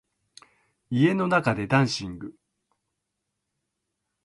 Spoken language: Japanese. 家の中でダンシング